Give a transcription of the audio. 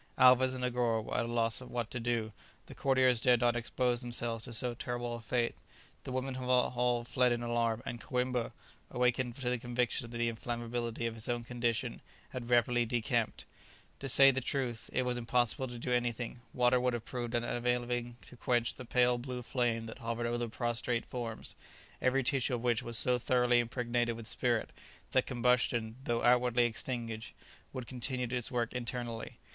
Alvez and Negoro were at a loss what to do; the courtiers dared not expose themselves to so terrible a fate; the women had all fled in alarm, and Coïmbra, awakened to the conviction of the inflammability of his own condition, had rapidly decamped. [Illustration: The king had taken fire internally.] To say the truth, it was impossible to do anything; water would have proved unavailing to quench the pale blue flame that hovered over the prostrate forms, every tissue of which was so thoroughly impregnated with spirit, that combustion, though outwardly extinguished, would continue its work internally.